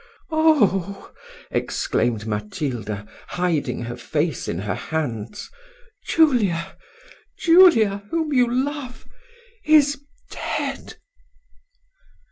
"Oh!" exclaimed Matilda, hiding her face in her hands, "Julia Julia whom you love, is dead."